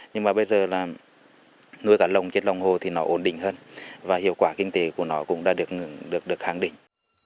nhưng mà bây giờ là nuôi cả lồng trên lồng hồ thì nó ổn định hơn và hiệu quả kinh tế của nó cũng đã được hẳn định